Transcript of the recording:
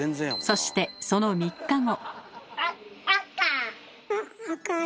そしてその３日後。